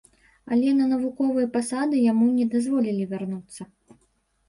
Але на навуковыя пасады яму не дазволілі вярнуцца.